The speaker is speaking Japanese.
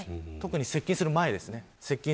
特に接近する前です。